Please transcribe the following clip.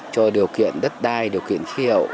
cho điều kiện đất đai điều kiện khí hậu